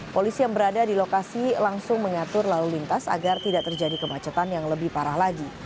polisi yang berada di lokasi langsung mengatur lalu lintas agar tidak terjadi kemacetan yang lebih parah lagi